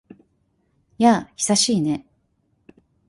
やあ、久しいね。